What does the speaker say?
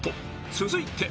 続いて］